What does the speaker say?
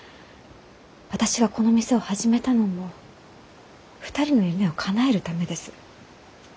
私がこの店を始めたのも２人の夢をかなえるためです。